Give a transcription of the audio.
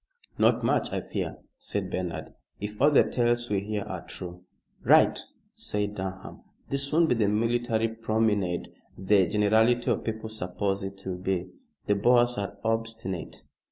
"Not much, I fear," said Bernard, "if all the tales we hear are true." "Right," said Durham. "This won't be the military promenade the generality of people suppose it will be. The Boers are obstinate."